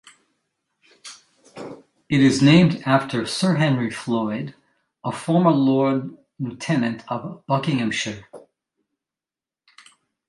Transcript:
It is named after Sir Henry Floyd, a former Lord Lieutenant of Buckinghamshire.